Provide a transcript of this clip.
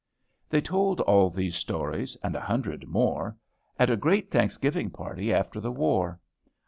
They told all these stories, and a hundred more, at a great Thanksgiving party after the war.